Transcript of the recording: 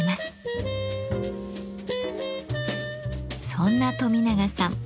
そんな冨永さん